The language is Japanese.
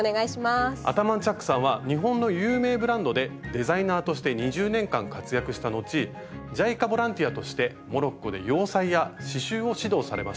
アタマンチャックさんは日本の有名ブランドでデザイナーとして２０年間活躍した後ＪＩＣＡボランティアとしてモロッコで洋裁や刺しゅうを指導されました。